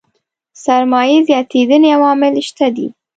سرمايې زياتېدنې عوامل شته دي.